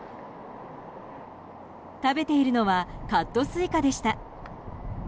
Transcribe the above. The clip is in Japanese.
食べているのはカットスイカでした。